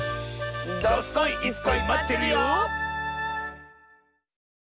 どすこいいすこいまってるよ！